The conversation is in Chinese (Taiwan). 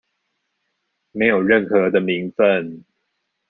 沒有任何的名份